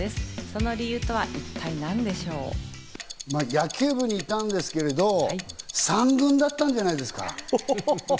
野球部にいたんですけれど、三軍だったんじゃないですか？